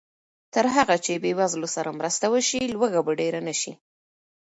تر هغه چې بېوزلو سره مرسته وشي، لوږه به ډېره نه شي.